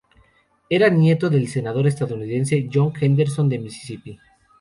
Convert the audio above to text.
Era nieto del senador estadounidense John Henderson, de Misisipi.